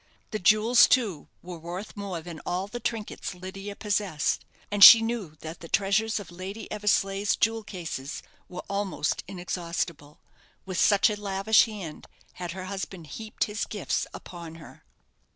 The jewels, too, were worth more than all the trinkets Lydia possessed; and she knew that the treasures of Lady Eversleigh's jewel cases were almost inexhaustible, with such a lavish hand had her husband heaped his gifts upon her.